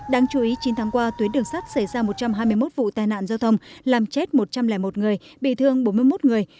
đáng chú ý chín tháng qua tuyến đường sắt xảy ra một trăm hai mươi một vụ tai nạn giao thông làm chết một trăm linh một người bị thương bốn mươi một người